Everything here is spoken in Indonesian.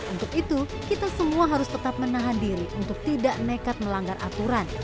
untuk itu kita semua harus tetap menahan diri untuk tidak nekat melanggar aturan